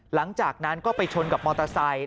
หลังจากนั้นก็ไปชนกับมอเตอร์ไซค